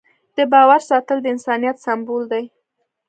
د باور ساتل د انسانیت سمبول دی.